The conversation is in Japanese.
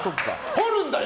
掘るんだよ！